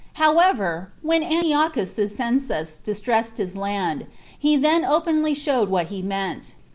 How ever, when Antiochus Cyzicenus distressed his land, he then openly showed what he meant.